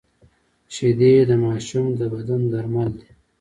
شیدې د ماشوم د بدن درمل دي